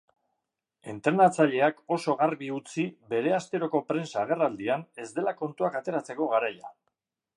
Entrenatzaileak oso garbi utzi bere asteroko prentsa agerraldian ez dela kontuak ateratzeko garaia.